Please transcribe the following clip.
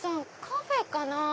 カフェかな？